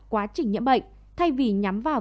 quá trình nhiễm bệnh thay vì nhắm vào